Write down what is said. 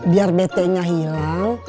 biar betenya hilang